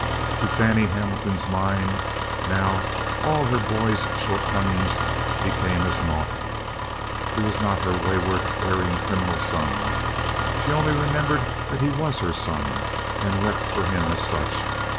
To Fannie Hamilton's mind now all her boy's shortcomings became as naught. He was not her wayward, erring, criminal son. She only remembered that he was her son, and wept for him as such.